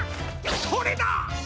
それだ！